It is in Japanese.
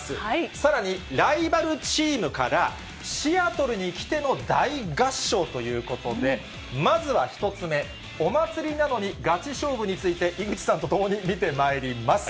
さらに、ライバルチームからシアトルに来ての大合唱ということで、まずは１つ目、お祭りなのにガチ勝負について、井口さんと共に見てまいります。